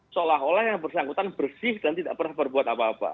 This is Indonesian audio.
seolah olah yang bersangkutan bersih dan tidak pernah berbuat apa apa